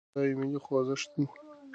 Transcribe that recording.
دا يو ملي خوځښت دی.